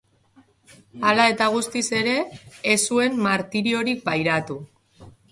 Hala eta guztiz ere, ez zuen martiriorik pairatu.